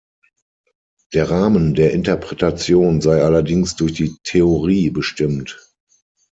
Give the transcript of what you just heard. Der Rahmen der Interpretation sei allerdings durch die Theorie bestimmt.